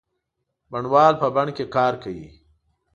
بڼوال په بڼ کې کار کوي.